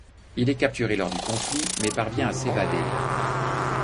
Il est capturé lors du conflit mais parvient à s'évader.